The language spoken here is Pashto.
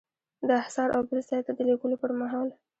د احضار او بل ځای ته د لیږلو پر مهال.